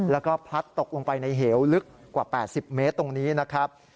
แล้วก็พลัดตกลงไปในเหวลึกกว่า๘๐เมตรตรงนี้นะครับ